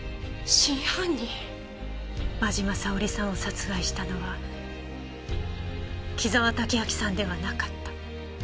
真嶋沙織さんを殺害したのは紀沢武明さんではなかった。